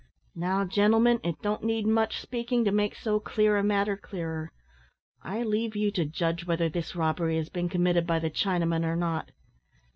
Now, gentlemen, it don't need much speaking to make so clear a matter clearer, I leave you to judge whether this robbery has been committed by the Chinaman or not."